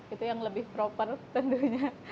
itu yang lebih proper tentunya